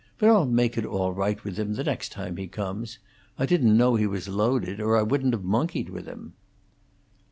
"But I'll make it all right with him the next time he comes. I didn't know he was loaded, or I wouldn't have monkeyed with him."